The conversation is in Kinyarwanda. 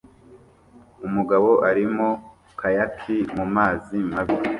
Umugabo arimo kayakie mumazi mabi